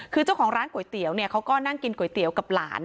คือเจ้าของร้านก๋วยเตี๋ยวเนี่ยเขาก็นั่งกินก๋วยเตี๋ยวกับหลาน